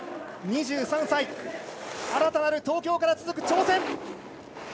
２３歳新たなる東京から続く挑戦。